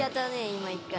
今１回。